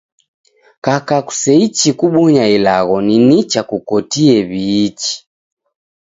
Kaka kuseichi kubonya ilagho, ni nicha kukotie w'iichi